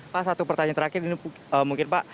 pak satu pertanyaan terakhir ini mungkin pak